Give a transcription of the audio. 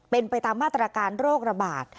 เป็นไปตามมาตรการโรคระบาด